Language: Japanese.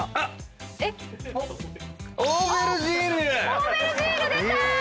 オーベルジーヌ出た！